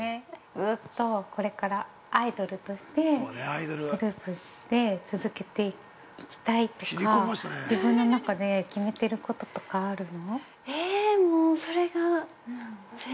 ずっとこれから、アイドルとしてグループで続けていきたいとか自分の中で決めてることとかあるの？